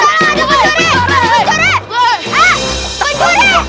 tolong ada pencuri